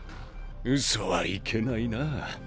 嘘はいけないな。